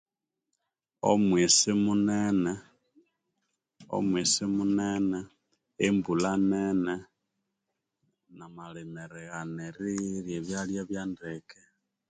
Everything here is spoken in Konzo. Omwisi munene omwisi munene embulha nene na malima erighana eri eryerya ebyalya bya ndeke